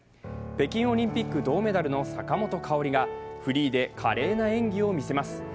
北京オリンピック銅メダルの坂本花織がフリーで華麗な演技を見せます。